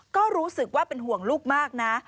ก็รู้สึกว่าเป็นห่วงลูกมากนะ